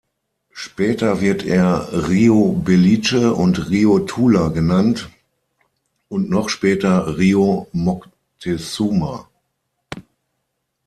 Später wird er Río Belice und Río Tula genannt und noch später Río Moctezuma.